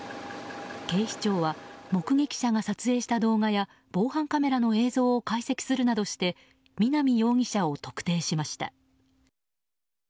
警視庁は目撃者が撮影した動画や防犯カメラの映像を解析するなどして南容疑者を特定しました。